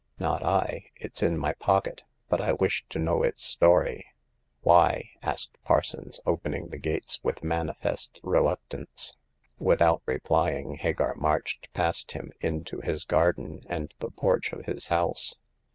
Not I ; it's in my pocket. But I wish to know its story." Why?" asked Parsons, opening the gates with manifest reluctance. Without replying Hagar marched past him, into his garden, and the porch of his house.